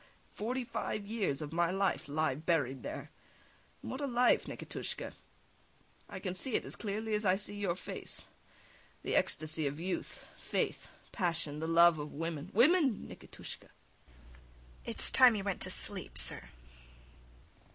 Forty five years of my life lie buried there, and what a life, Nikitushka! I can see it as clearly as I see your face: the ecstasy of youth, faith, passion, the love of women women, Nikitushka! IVANITCH. It is time you went to sleep, sir.